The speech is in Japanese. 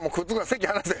席離せ。